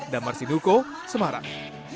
damar sinuko semarang